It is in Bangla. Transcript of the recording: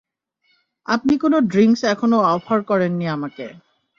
আপনি কোনো ড্রিংক্স এখনও অফার করেননি আমাকে।